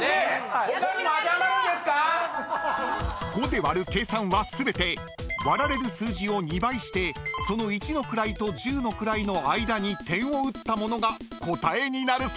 ⁉［５で割る計算は全て割られる数字を２倍してその一の位と十の位の間に点を打ったものが答えになるそうです］